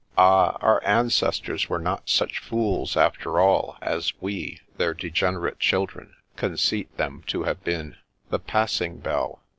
Ah ! our ancestors were not such fools, after all, as we, their degenerate children, conceit them to have been. The passing bell